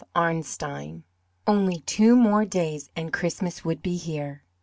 ARNSTEIN Only two more days and Christmas would be here!